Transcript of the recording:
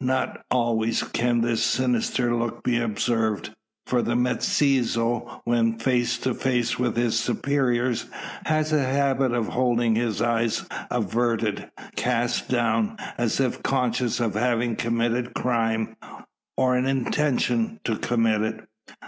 Not always can this sinister look be observed. For the mestizo, when face to face with his superiors, has the habit of holding his eyes averted cast down, as if conscious of having committed crime, or an intention to commit it.